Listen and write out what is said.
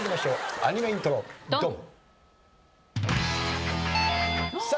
アニメイントロドン！